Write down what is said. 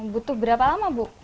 butuh berapa lama bu